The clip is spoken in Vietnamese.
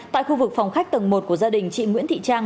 tại khu vực phòng khách tầng một của gia đình chị nguyễn thị trang